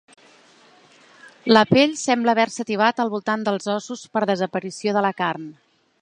La pell sembla haver-se tibat al voltant dels ossos per desaparició de la carn.